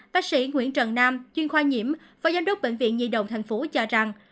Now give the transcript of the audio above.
bác sĩ nguyễn trần nam chuyên khoa nhiễm phó giám đốc bệnh viện nhi động thành phố cho rằng